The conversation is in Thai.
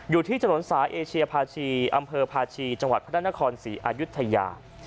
อยู่ที่ถนนสายเอเชียภาชีอำเภอพาชีจังหวัดพระนครศรีอายุทยา